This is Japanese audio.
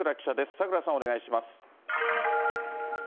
櫻さん、お願いします。